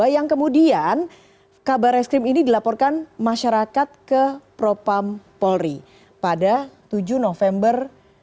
yang kemudian kabar reskrim ini dilaporkan masyarakat ke propam polri pada tujuh november dua ribu dua puluh